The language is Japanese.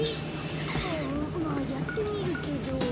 うんまあやってみるけど。